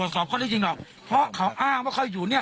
สอบข้อได้จริงหรอกเพราะเขาอ้างว่าเขาอยู่เนี่ย